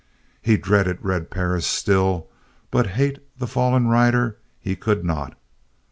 He dreaded Red Perris still, but hate the fallen rider he could not.